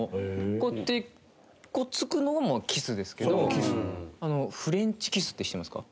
こうやってくっつくのもキスですけどフレンチキスって知ってますか？